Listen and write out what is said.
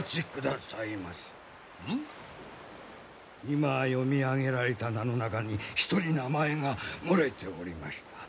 今読み上げられた名の中に１人名前が漏れておりました。